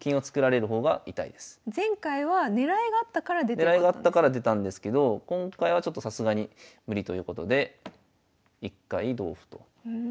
狙いがあったから出たんですけど今回はちょっとさすがに無理ということで一回同歩と応じておきます。